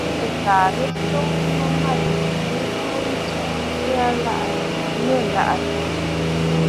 Wa nìghɔ̀ɔ̀ nɨ ŋkwǒŋ bə̀ manû nɨ burə nta ŋgɨʼɨ aa nɨ̂ ɨlaʼà tsɨ̀mə̀.